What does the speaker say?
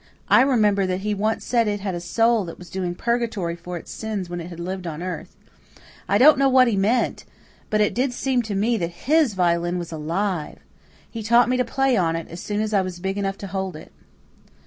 I remember that he once said it had a soul that was doing purgatory for its sins when it had lived on earth. I don't know what he meant, but it did seem to me that HIS violin was alive. He taught me to play on it as soon as I was big enough to hold it."